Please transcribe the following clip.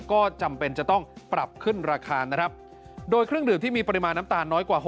ก็จำเป็นจะต้องปรับขึ้นราคานะครับโดยเครื่องดื่มที่มีปริมาณน้ำตาลน้อยกว่า